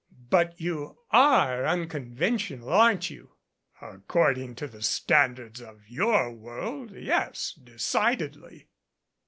But you are unconven tional, aren't you?" "According to the standards of your world, yes, de cidedly."